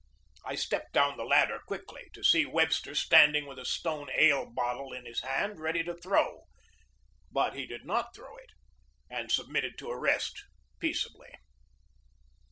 I stepped down the ladder quickly, to see Web THE BATTLE OF FORT FISHER 127 ster standing with a stone ale bottle in his hand ready to throw. But he did not throw it and sub mitted to arrest peaceably.